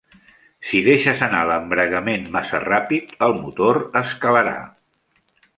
Si deixes anar l'embragament massa ràpid, el motor es calarà.